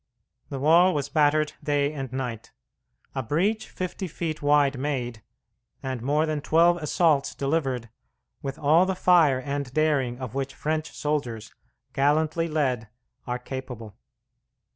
The wall was battered day and night, a breach fifty feet wide made, and more than twelve assaults delivered, with all the fire and daring of which French soldiers, gallantly led, are capable.